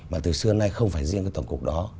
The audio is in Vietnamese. mà từ xưa nay không phải riêng cái tổng cục đó